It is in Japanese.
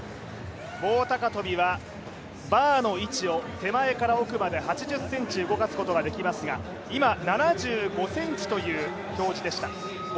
棒高跳はバーの位置を手前から奥まで８０ｃｍ動かすことができますが、今、７５ｃｍという表示でした。